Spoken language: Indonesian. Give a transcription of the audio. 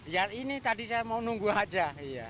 ya ini tadi saya mau nunggu aja